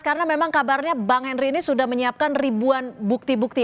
karena memang kabarnya bang henry ini sudah menyiapkan ribuan bukti bukti